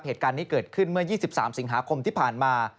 เหตุการณ์นี้เกิดขึ้นเมื่อ๒๓สิงหาคมที่ผ่านมา